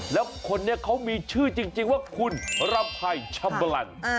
แล้วคนนี้เขามีชื่อจริงว่าคุณรำภัยชำบลัน